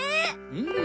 うん！